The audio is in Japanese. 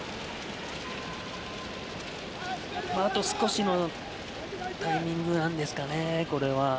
あと少しのタイミングなんですかね、これは。